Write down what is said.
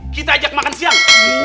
kita ajak makan siang